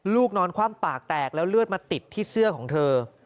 นอนคว่ำปากแตกแล้วเลือดมาติดที่เสื้อของเธอ